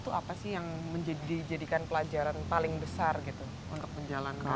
itu apa sih yang dijadikan pelajaran paling besar gitu untuk menjalankan